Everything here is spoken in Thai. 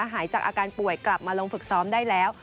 หายจากอาการป่วยกลับมาลงฝึกซ้อมได้แล้ว